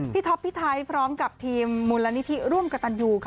ท็อปพี่ไทยพร้อมกับทีมมูลนิธิร่วมกับตันยูค่ะ